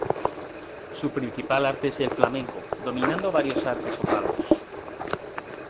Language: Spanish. Su principal arte es el flamenco, dominando varios artes o palos.